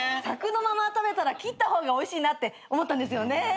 さくのまま食べたら切った方がおいしいなって思ったんですよね。